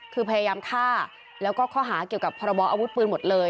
คือพยายามฆ่าแล้วก็ข้อหาเกี่ยวกับพรบออาวุธปืนหมดเลย